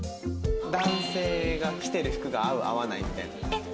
男性が着てる服が合う合わないみたいな。